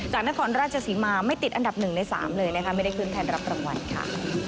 จากนครราชสีมาไม่ติดอันดับหนึ่งในสามเลยไม่ได้คืนแทนรับประวัติค่ะ